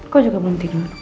kok juga belum tidur